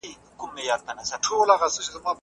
هغه مجسمه چا جوړه کړې وه؟